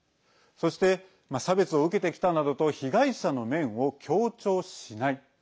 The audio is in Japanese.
そして差別を受けてきたなどと被害者の面を強調しない。